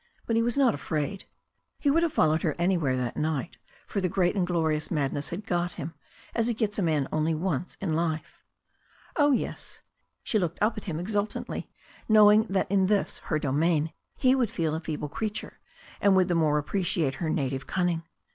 But he was not afraid. He would have followed her anywhere that night, for the great and glorious madness had got him, as it gets a man only once in life. 0h, yes." • She looked up at him exultantly, knowing that in this, her domain, he would feel a feeble creature, and would the more appreciate her native cunning.